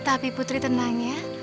tapi putri tenang ya